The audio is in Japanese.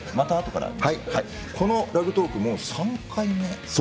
この「ラグトーク」もう３回目。